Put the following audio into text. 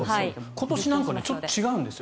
今年はちょっと違うんですよ。